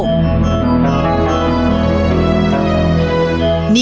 นี่คือเหตุ